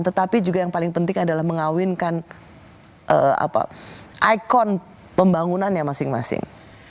tetapi juga yang paling penting adalah mengawinkan ikon pembangunannya masing masing